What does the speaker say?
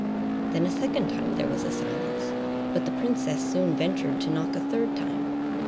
Then a second time there was silence. But the princess soon ventured to knock a third time.